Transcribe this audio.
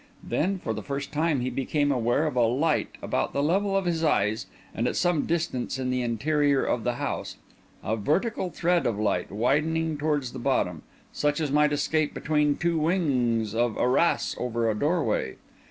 Then, for the first time, he became aware of a light about the level of his eyes and at some distance in the interior of the house—a vertical thread of light, widening towards the bottom, such as might escape between two wings of arras over a doorway.